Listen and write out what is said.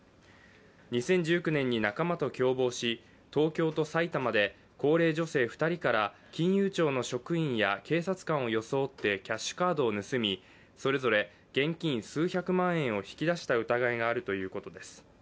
２０１９年に仲間と共謀し東京と埼玉で高齢女性２人から金融庁の職員や警察官を装ってキャッシュカードを盗みそれぞれ現金数百万円を引き出した疑いがあるということです。